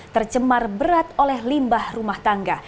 tercemar berat oleh limbah rumah tangga